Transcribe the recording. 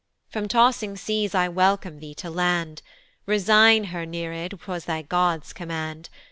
From tossing seas I welcome thee to land. "Resign her, Nereid," 'twas thy God's command.